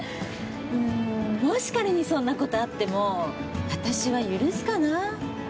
もし仮にそんなことあっても私は許すかな。